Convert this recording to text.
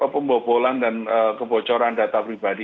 pembobolan dan kebocoran data pribadi